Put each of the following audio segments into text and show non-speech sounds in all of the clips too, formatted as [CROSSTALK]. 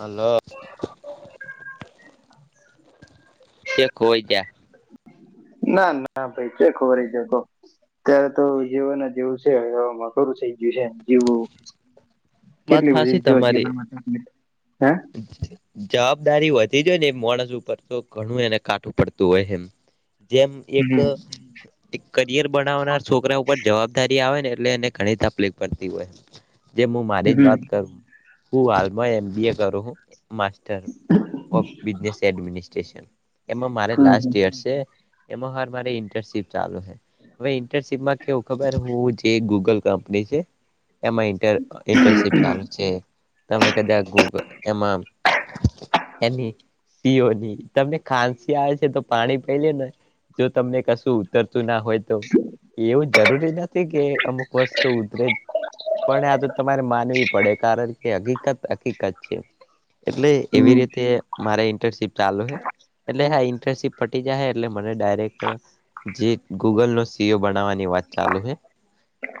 Hello ક્યાં ખોવાઈ ગયા ના ના ભાઈ કેઈ ખોવાઈ ગ્યો તો ત્યારે તો જીવને જેવું છે એવામાં ઘરું છે ગયું છે જીવું વાત કેટલી હાચી બઘીજો તમારી જીવનમાં તકલીફ, હે [INAUDIBLE] જવાબદારી વધી જઈ ને માણસ ઉપર તો ઘણું એને કાટું પડતું હોય એમ જેમ એક હમ એક કરિયર બનાવનાર છોકરા ઉપર જવાબદારી આવે ને એટલે એને ઘણી તકલીફ પડતી હોય જેમ મુ મારી જ હમ વાત કર હું હાલમાં એમ બી એ કરું હું ઓમ બિઝનેસ એડમિનિસ્ટ્રેશન એમાં માર લાસ્ટ હમ યર છે એમાં હાર માર ઇન્ટર્નશીપ ચાલુ હે, ઇન્ટર્નશીપમાં કેવું ખબર હું જે ગૂગલ કંપની છે એમાં ઇન્ટર ઇન્ટર્નશીપ ચાલુ તમે કદા એમાં એની સીઓની તમને ખાંસી આવે છે તો પાણી પે લે ને જો તમને કશું ઉતરતું ના હોય તો એવું જરૂરી નથી કે અમુક વસ્તુ ઉતરે જ પણ આતો માનવી પડે કારણ કે હકીકત હકીકત છે એટલે એવી હમ રીતે મારે ઇન્ટર્નશીપ ચાલુ હે, એટલે આ ઇન્ટર્નશીપ પટી જાય હ એટલે મને ડાયરેક્ટ જે ગૂગલ નો સીઓ બનાવાની ની વાત ચાલુ હે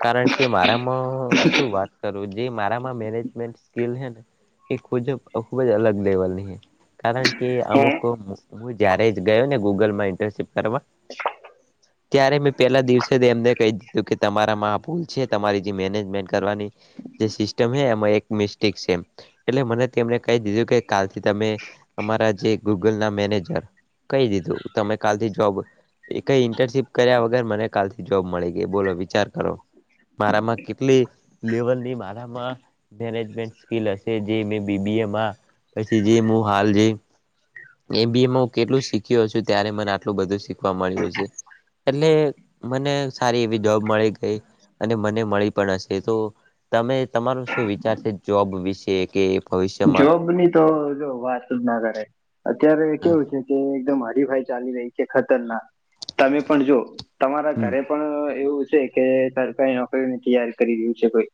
કારણ કે મારામાં શું વાત કરું જે મારામાં મેનેજમેન્ટ સ્કીલ હે ને એ ખૂ ખુબ જ અલગ લેવલની કારણ કે હમ અમુક હું જયારે ગયો ને ગૂગલમાં ઇન્ટર્નશીપ કરવા [INAUDIBLE] ત્યારે મેં પેલા દિવસે એમને કહી દીધું કે તમારામાં આ ભૂલ છે તમારી જે મેનેજમેન્ટ કરવાની જે સિસ્ટમ હ એમાં એક મિસ્ટેક સેમ એટલે મને તેમને કહી દીધું કે કાલથી તમે અમારા જે ગૂગલ ના મેનેજર કહી દીધું તમે કાલથી જોબ એ કઈ ઇન્ટર્નશીપ કર્યા વગર મને કાલથી જોબ મળી ગઈ બોલો વિચાર કરો મારામાં કેટલી લેવલની મારામાં મેનેજમેન્ટ સ્કીિલ હશે જે મેં બીબી એમાં પછી જે હું હાલ જે એ બી એ હું કેટલું શીખ્યો છું ત્યારે મને આટલું બધું શીખવા મળ્યું છે એટલે મને સારી એવી જોબ મળી ગઈ અને મને મળી પણ હશે તો તમે તમારો શું વિચાર છે જોબ વિશે કે ભવિષ્યમાં જોબ ની તો જો વાત જ ના કરે અત્યારે કેવું છે કે એકદમ હરીફાઈ ચાલી રહી છે ખતરનાક તમે પણ જો તમારા હમ ઘરે પણ એવું છે કે સરકારી નોકરીને તૈયાર કરી રહ્યું છે કોઈ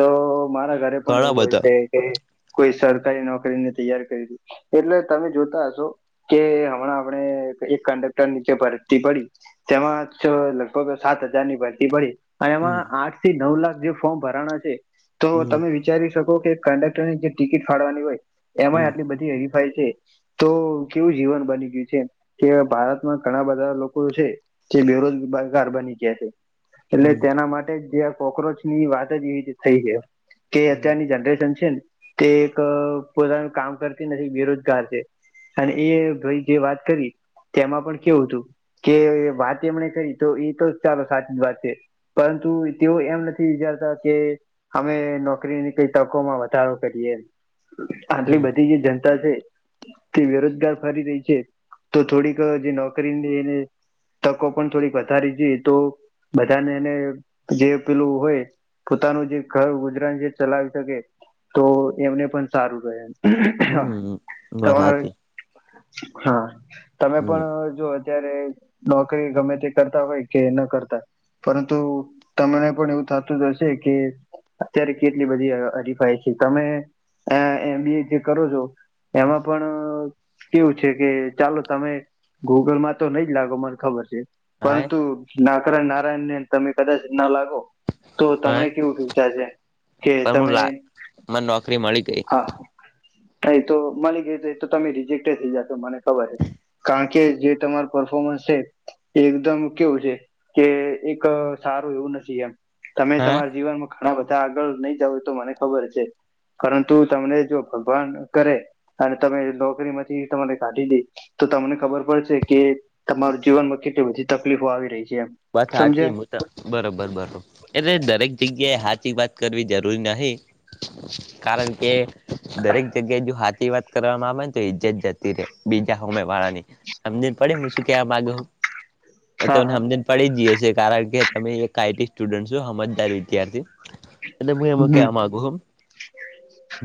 તો મારા ઘરે પણ ઘણા એવું હોય બધા છે કે કોઈ સરકારી નોકરીને તૈયાર કરી દ એટલે તમે જોતા હશો કે હમણાં આપણે એક કંડક્ટર નીચે ભરતી પડી તેમાં લગભગ સાત હજાર ની ભરતી પડી અને હમ એમાં આઠ થી નવ લાખ જે ફોર્મ ભરાના છે તો હમ તમે વિચારી શકો કે કંડક્ટરની જે ટિકિટ ફાળવાની હોય એમાં હમ આટલી બધી હેરીફાઈ છે તો કેવું જીવન બની ગયું છે કે ભારતમાં ઘણા બધા લોકો છે તે બેરોજગાર બની ગયા છે એટલે હમ તેના માટે જે કોક્રોચ ની વાત જ એવી રીતે થઈ છે કે હમ અત્યારની જનરેશન છે ને તે એક પોતાનું કામ કરતી નથી બેરોજગાર છે અને એ ભાઈ જે વાત કરી તેમાં પણ કેવું હતું કે વાત એમણે કરી તો એતો જ ચાલો સાચી જ વાત છે પરંતુ તેઓ એમ નથી વિચારતા કે અમે નોકરીની કઈ તકોમાં વધારો કરીએ આટલી હમ બધી જે જનતા છે તે બેરોજગાર ફરી રહી છે તો થોડીક જે નોકરીને એને તકો પણ થોડી વધારી જોઈ તો બધાને એને જે પેલું હોય પોતાનું જે ઘર ગુજરાન જે ચલાવી શકે તો એમને પણ સારું રહેમ હમ વાત તમારે સાચી હા તમે હમ પણ જો અત્યારે નોકરી ગમે તે કરતા હોય કે ન કરતા પરંતુ તમને પણ એવું થતું જ હશે કે અત્યારે કેટલી બધી હરીફાઈ છે તમે એમબી એ જે કરો છો એમાં પણ કેવું છે કે ચાલો તમે ગૂગલમાં તો નઈ જ લાગો મને ખબર છે હા પરંતુ નાકરા નારાયણને તમે કદાચ ના લાગો તો તમને પણ કેવું શચા છે કે હું તમે લા મને નોકરી મળી ગઈ હા એ તો મળી ગઈ તો એ તો તમે રિજેક્ટ થઇ જતો મને ખબર છે કારણ કે જે તમાર પરફોર્મન્સ છે એકદમ કેવું છે કે એક સારું એવું નથી એમ તમે હા તમારા જીવનમાં ઘણા બધા આગળ નહી જાવ તો મને ખબર છે પરંતુ તમને જો ભગવાન કરે અને તમે નોકરી માંથી તમાને કાઢી દે તો તમને ખબર પડશે કે તમારું જીવનમાં કેટલી બધી તકલીફો આવી રહી છે એમ વાત હાચી સમજ્યા બરોબર બરોબર એટલે દરેક જગ્યાએ હાચી વાત કરવી જરૂરી નહી કારણ કે દરેક જગ્યાએ જો હાચી વાત કરવામાં આવેને તો ઈજ્જત જતી રે બીજા હોમે વાળાની સમજ્ણ પડે હું શું કેવા માંગુ તો હા તમને હા હમજ ન પડી જીય છે કારણ કે તમે એક આ ઈ તી સ્ટુડન્ટ છો હમજદાર વિદ્યાર્થી એલે હું એમ હમ કેવા માંગુ છું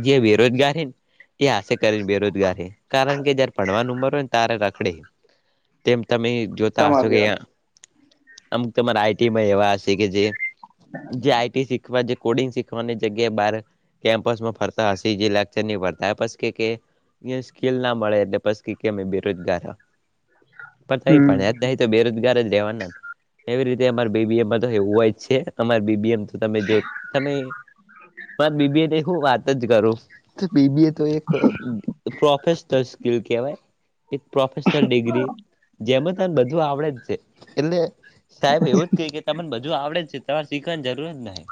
જે બેરોજગારી છે ને એ આશ કરી બેરોજગારી કારણ કે જયારે ભણવાની ઉમર હોયને તારે રખડે તેમ તમે જોતા હશો કે તમારી વાત અહીંયા અમ તમારા આઈ ટી માં એવા હશે કે જે જે આઈ ટી શીખવા જે કોડિંગ શીખવાની જગ્યાએ બાર કેમ્પસમાં ફરતા હસી જે લેકચર નઈ ભરતા પછી કેહકે અં સ્કીલના મળે એટલે પછી કે કેમે બેરોજગાર હ અ પણ હમ પય ભણયા જ ના હોય તો બેરોજગાર જ રેવાના એવી રીતે અમારે બી બી એમ મા તો એવું હો્યે છે તમે જો તમે મા બી બી એમ ની હુ વાત જ કરુ બીબી એ તો એક પ્રોફેશનલ સ્કીલ કેવાય એક પ્રોફેશનલ ડિગ્રી જેમાં તને બધું આવડે જ છે એટલે સાહેબ એવું જ કે કે તમને બધું આવડે જ છે તમારે શીખવાની જરૂર જ નાહી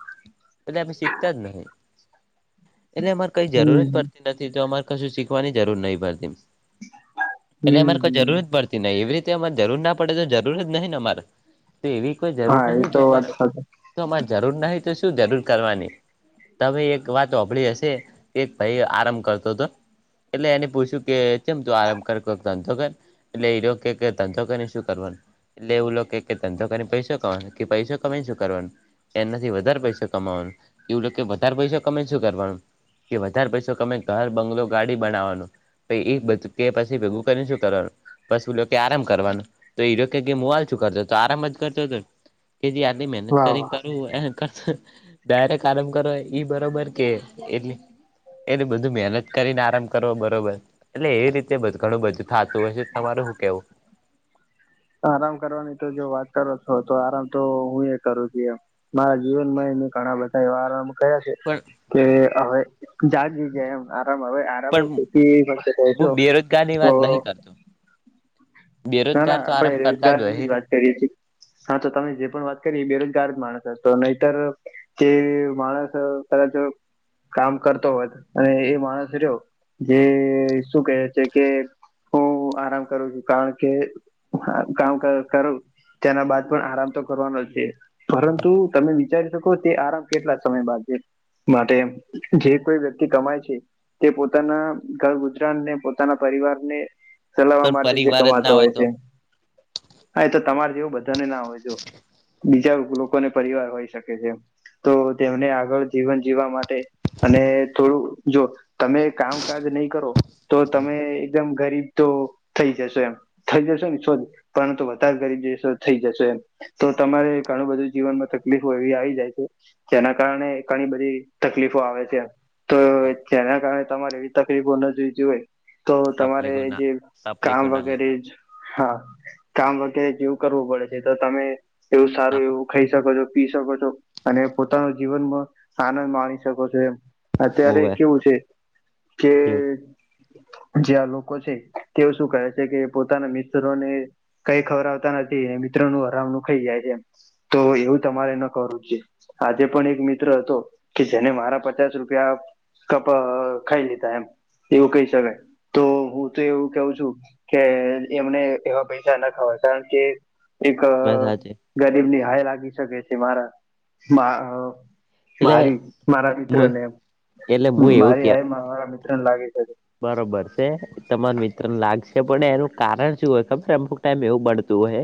એટલે અમે શીખતા જ નહી એટલે અમારે કઈ જરૂર જ હમ પડ ડતી નથી તો અમારે કશું શીખવાની જરૂર નહી પડતી એટલે હમ અમારે કઈ હમ જરૂર જ પડતી ન એવી રીતે અમારે જરૂર ના પડે તો જરૂર જ નહીિ ને અમારે તો એવી કો જરૂર હા એ નહી તો અમારે વાત સાચી તો અરે જરૂર નહી તો શું જરૂર કરવાની તમે એક વાત હોભળી હશે કે ભાઈ આરામ કરતો હતો એટલે એને પૂછ્યું કે કેમ તું આરામ કર તંધો કે એટલે એરો કે ધંધો કને શું કરવાનું. એટલે એવું લોકો કે ત તો કરીને પૈસો ક કે પૈસો કમેય શું કરવાનું. એનાથી વધારે પૈસો કમાવાનું એવું લ કે વધારે પૈસા કમે શું કરવાનું. કે વધારે પૈસો કમાય ને ઘર બંગલો ગાડી બનાવવાનો પે એક બધું કે પછી ભેગું કરીને શું કરવાનું બસું કે આરામ કરવાનું તો કે મોવાલ છું કરતો તો આરામ જ કરતો હતો કે જે આટલી મહેનત વાહ વાહ કરીને કરયુ કે રત આલમ કરો ઈ બરોબર કે એટલી એને બધું મહેનત કરીને આરામ કરવો બરોબર એટલે એવી રીતે ઘણું બધું થાત તો પછી તમારે શું કેવું? આરામ કરવાની તો જો વાત કરો તો આરામ તો હું એ કરું છું એમ મારા જીવનમાં એને ઘણા બધા એ આરામ કરયા છે. પણ કે હવે જાગી એમ આરામ હવે મે પણ ખથી મ થાય હું છું બેરોજગાર ની તો વાત નહી કરતો ના બેરોજગાર ના તો આરામ આપડે કરતા રોજગારની હોય જ વાત કરીએ છીએ. હા તો તમે જે પણ વાત કરી એ બેરોજગાર માણસ હતો નહીતર કે માણસ કદાચ કામ કરતો હોત અને એ માણસ રહ્યો જે શું કહે છે કે હું આરામ કરું છું કારણ કે કામ કરું તેના બાદ પણ આરામ તો કરવાનો છે પરંતુ તમે વિચારી શકો તે આરામ કેટલા સમય બાદ છે માટે એમ જે કોઈ વ્યક્તિ કમાય છે તે પોતાના ઘર ગુજરાને પોતાના પરિવાર ને ચલાવવા પણ માટે જે પરિવાર જ ના કમાતો હોય હોય તો છે હા એ તો તમારે જેવું બધાને ના હોય જો બીજા લોકો લોકોને પરિવાર હોય શકે છે તો તેમને આગળ જીવન જીવવા માટે અને થોડું જો તમે કામકાજ નહી કરો. તો તમે એકદમ ગરીબ તો થઈ જશો એમ થઈ જશેને શોધ પરંતુ વધારે કરી જશો થઈ જશે એમ તો તમારે ઘણું બધું જીવનમાં તકલીફ હોય એવી આવી જાય છે જેના કારણે ઘણી બધી તકલીફો આવે છે તો જેના કારણે તમારે એવી તકલીફો નજી જુવે તો તમારે તકલીફો ના જે તકલીફો કામ ના વગ લેવાય હા, કામ વગેરે જેવું કરવું પડે છે તો તમે એવું સારું એવું ખાઈ શકો છો પી શકો છો. અને પોતાનો જીવનમાં આનંદ માણી શકો છો, એમ. અત્યારે હોવે કેવું છે કે કેવું જે્યાં લોકો છે તેઓ શું કરે છે કે જે પોતાના મિત્રોને કઈ ખવરાવતા નથી, મિત્રોનું હરામણું ખાઈ જાય છે એમ તો એવું તમારે ન કરવું જોઈએ. આજે પણ એક મિત્ર હતો કે જેને મારા પચાસ રૂપિયા કપ ખાઈ લીધા એમ એવું કહી શકાય, તો હું તો એવું કેવું છું. કે એમને એવા પૈસાના ખાવાય કારણકે એક વાત સાચી ગરીબની હાય લાગી શકે છે મારા એટલે મારી મારા હું મિત્રને એમ, એટલે હું એવું મારી કે હાય મારા મિત્રને લાગે છે. બરોબર છે. તમાર મિત્રને લાગશે પણ એનું કારણ શું હોય ખબર અમુક ટાઈમ એવું બનતું હોય.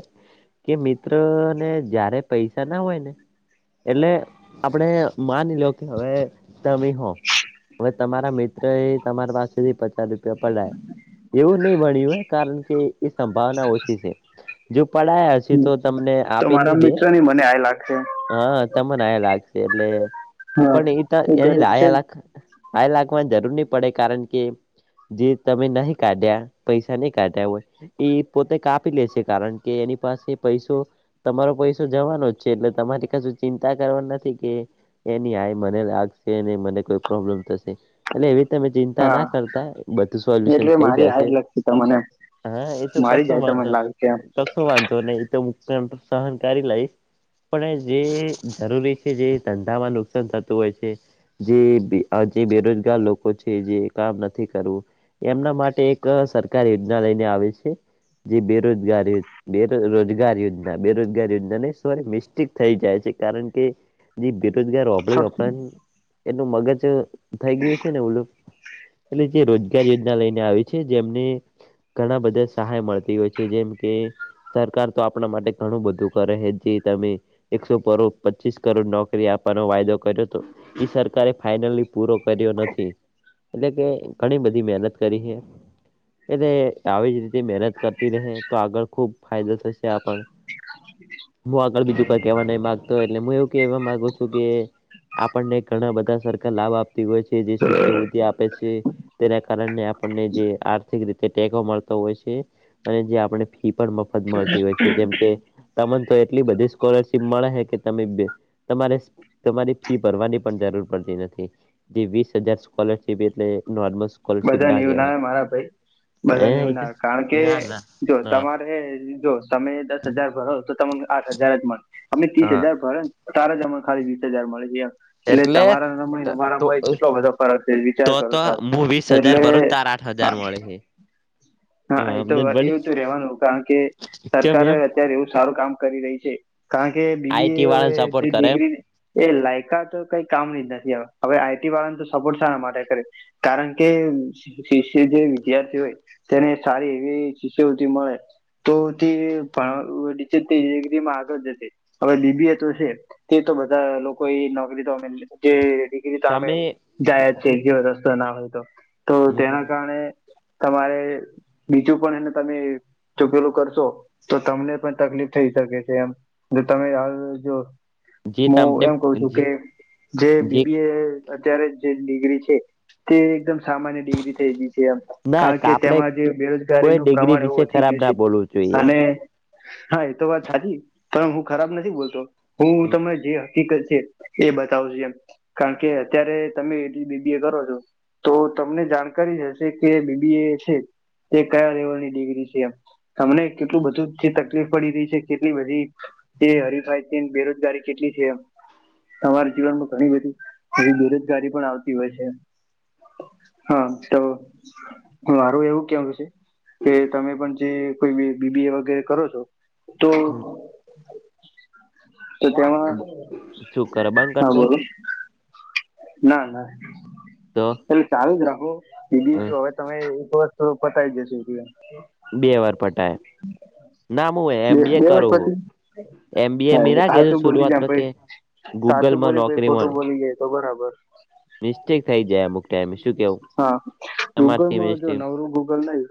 કે મિત્રને જયારે પૈસા ના હોય ને એટલે આપણે માની લો્યો કે હવે તમે હો, હવે તમારા મિત્ર એ તમારી પાસેથી પચાસ રૂપિયા પડાય એવું ની બણ્યું હોય કારણકે એ સંભાવના ઓછી છે. જો પડયા હશે તો તમને આપીને તમારા મિત્રની મને હાય લાગશે હા, તમને હાય લાગશે એટલે હા પણ એ તો એની ગરીબ લાઈ છે ને અલક લાઇ લકવા જરૂર નહી પડે કારણ કે જે તમે નહી કાઢ્યા પૈસાની કાઢ્યા હોય એ પોતે કાપી લે છે કારણકે એની પાસે પૈસો તમારો પૈસો જવાનો જ છે એટલે તમારે કશું ચિંતા કરવા નથી કે એ ન આ મને લાગશે મને કોઈ પ્રોબ્લેમ થશે, એટલે એવી તમે ચિંતા હા ના કરતા બધું સોલ્યુશન એટલે થઈ મારી જશે. હાઈટ લગતી તમને હા એતો મારી કશો જાય તમને વાંધો લાગે છે કશો વાંધો ને એતો હ સહન કરી લઈશ. પણ જે જરૂરી છે જે ધંધામાં નુકસાન થતું હોય છે. જે જે બેરોજગાર લોકો છે જે કામ નથી કરવું, એમના માટે એક સરકાર યોજના લઈને આવે છે. જે બેરોજગારી બે રોજગાર યોજના બેરોજગાર યોજના ને સોરી મિસ્ટેક થઈ જાય છે કારણ કે. જે બેરોજગાર હોપળે એમ ઉપરાંત એનું મગજ થઈ ગયું છે ને ઓલું. એટલે જે રોજગાર યોજના લઈને આવી છે જેમને ઘણા બધા સહાય મળતી હોય છે જેમ કે સરકાર તો આપણા માટે ઘણું બધું કરે છે જે તમે એકસો પચીસ કરોડ નોકરી આપવાનો વાયદો કર્યો હતો. ઈ સરકારે ફાઈનલી પૂરો કર્યો નથી. એટલે કે ઘણી બધી મહેનત કરી છે. એટલે આવી જ રીતે મહેનત કરતી રહે તો આગળ ખુબ ફાયદો થશે આપણ. હું આગળ બીજું કઈ કેવા નહી માગતો એટલે હું એવું કેવા માગુ છું કે આપણને ઘણા બધા સરકાર લાભ આપતી હોય છે જે શિષ્યવિ તેના કાર આપણને જે આર્થિક રીતે ટેકો મળતો હોય છે. અને જે આપણે ફી પણ મફત મળતી હોય છે જેમ કે તમને તો એટલી બધી સ્કોલરશીપ મળે છે કે તમે તમારે તમારી ફી ભરવાની પણ જરૂર પડતી નથી, જે વીસ હજારલ ી એટલે નોર્મ બધા નીવ ના મારા ભાઈ. બધાને એવું ના કહેવાય. કારણ કે ના જો ના તમારે જો તમે દસ હજાર ભરો તો તમને આઠ હજાર જ મળે અને ત્રીસ હા હજાર ભરોને. તારા જમાણ ખાલી વીસ હજાર મળે છે. એટલે તમારાય તો અરાય કેટલો બધો ફરક છે વિચાર કરો છાર. દસ હજાર ભર તાર આઠ હજાર મળે છે. હા એ તો અમને એવું વળી તો રેવાનું કારણ કે કેમ સરકાર એમ અત્યારે એવું સારું કામ કરી રહી છે. કારણ કે બીબી આઈટી એ હવે વાળાને જે સપોર્ટ કરે ડિગ્રી એ લાયકા તો કઈ કામ જ નથી હવે આઈટી વાળાને તો સપોર્ટ સારા માટે કરે. કારણ કે શિષ્ય જે વિદ્યાર્થી હોય. તેને સારી એવી સવટી મળે. તો તે પા વડી છે તે એક દ આગળ જે. હવે લીબીયા તો છે તે તો બધા લોકો એ નોકરી તો અમે ીતે અમે તમે જાયા છએ જે રસ્તો ના હોય તો, તો તેના કારણે. તમારે બીજું પણ એને તમે ચૂકેલું કરશો, તો તમને પણ તકલીફ થઈ શકે છે એમ, જો તમે જો જે હું તમને એમ કઉ છું કે જે બી બી એ અત્યારે જે ડિગ્રી છે, તે એકદમ સામાન્ય ડિગ્રી થઈ ગઈ છે એમ ના કારણ કે આપડે તેમાં જે કોઈ બેરોજગારીનું ડિગ્રી પ્રમાણ વિશે એવું વધી ખરાબ ગયું ના છે, બોલવું જોઈએ. અને હા એતો વાત સાચી પણ હું ખરાબ નથી બોલતો, હું તમને જ હીત છે એ બતાવશે એમ, કારણ કે અત્યારે તમે એટલી બીબી એ કરો છો. તો તમને જાણકારી જ હશે, કે બીબી એ છે એ કયા લેવલની ડિગ્રી છે એમ. તમને કેટલું બધું જે તકલીફ પડી રહી છે કેટલી બધી તે જે હરીફાઈ છે બેરોજગારી કેટલી છે. તમારા જીવનમાં ઘણી બધી બેરોજગારી પણ આવતી હોય છે. હા ચવ મારું એવું કેવું છે કે તમે પણ જે કોઈ બી બી એ વગેરે કરો છો તો તો તેમાં શું કરે બંધ હા કરી દે બોલો ના ના. તો એટલે ચાલુ જ રાખો બી બી ઓ હવે તમે એક વસ્તુ પતાવી દેશું ત્યાં. બે વાર પટાય. ના હું બે એમ બી એ બે કરું હું પતી એમ બી એ હા મે ના કીધું સાચું બોલી જ પ શરૂઆતમાં કે સાચું ગૂગલમાં બોલી પ નોકરી ખોટું મળી બોલી જાય તો બરાબર મિસ્ટેક થઈ જાય અમુક ટાઈમે શું કેવું હા તમારથી ગૂગલમાં જો મિસ્ટેક નો ગુ-ગૂગલ નહી.